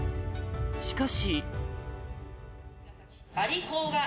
しかし。